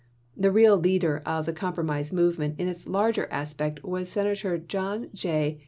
The real leader of the compromise movement in its larger aspects was Senator John J.